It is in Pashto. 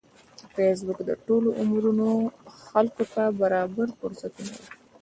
فېسبوک د ټولو عمرونو خلکو ته برابر فرصتونه ورکوي